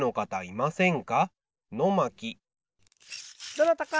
どなたか！